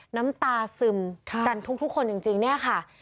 น้ำตาซึมกันทุกคนจริงเนี่ยค่ะ